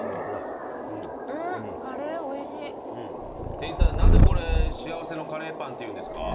店員さん何でこれしあわせのカレーパンっていうんですか。